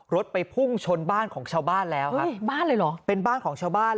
รถไปพุ่งชนบ้านของชาวบ้านแล้วครับบ้านเลยเหรอเป็นบ้านของชาวบ้าน